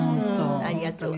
ありがとう。